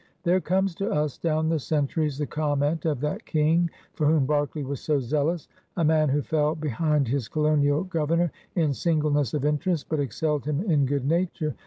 ^ There comes to us, down the centuries, the com ment of that King for whom Berkeley was so zealous, a man who fell behind his colonial Gover nor in singleness of interest but excelled him in good nature.